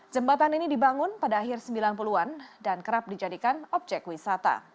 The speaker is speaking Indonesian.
jembatan ini dibangun pada akhir sembilan puluh an dan kerap dijadikan objek wisata